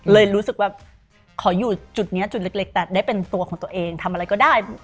เลยรู้สึกว่าขออยู่จุดนี้จุดเล็กแต่ได้เป็นตัวของตัวเองทำอะไรก็ได้